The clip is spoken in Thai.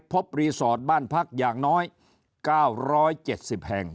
พบรีสอร์ตบ้านพักอย่างน้อยเก้าร้อยเจ็ดสิบแห่ง